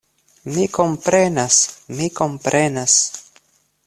Mi komprenas, mi komprenas!